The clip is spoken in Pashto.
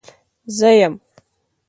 زه يم.